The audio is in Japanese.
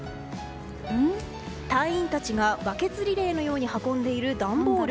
隊員たちがバケツリレーのように運んでいる段ボール。